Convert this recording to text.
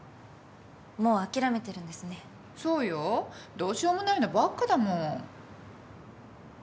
どうしようもないのばっかだもん。